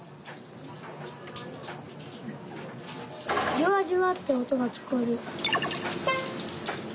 ジュワジュワっておとがきこえる。